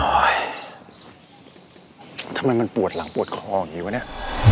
ทำไมมันปวดหลังปวดคออย่างนี้วะเนี่ย